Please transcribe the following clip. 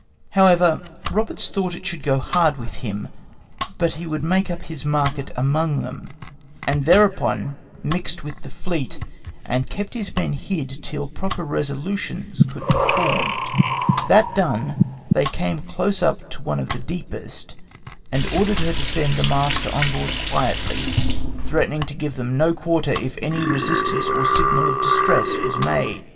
However, Roberts thought it should go hard with him, but he would make up his market among them, and thereupon mixed with the fleet, and kept his men hid till proper resolutions could be formed. That done, they came close up to one of the deepest, and ordered her to send the master on board quietly, threatening to give them no quarter if any resistance or signal of distress was made.